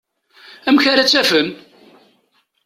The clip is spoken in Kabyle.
Amek ara tt-afen?